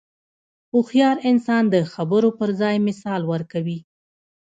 هوښیار انسان د خبرو پر ځای مثال ورکوي.